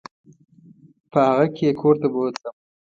په هغه کې یې کور ته بوتلم.